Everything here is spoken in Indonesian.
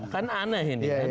kan aneh ini